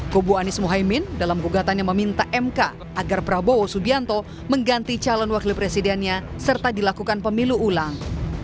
kubu anies muhaymin dalam gugatannya meminta mk agar prabowo subianto mengganti calon wakil presidennya serta dilakukan pemilu ulang